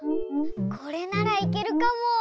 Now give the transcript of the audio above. これならいけるかも！